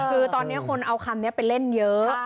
คือตอนนี้คนเอาคำนี้ไปเล่นเยอะ